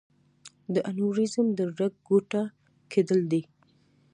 د انوریزم د رګ ګوټه کېدل دي.